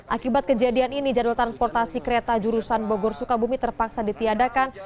akibat kejadian ini jadwal transportasi kereta jurusan bogor sukabumi terpaksa ditiadakan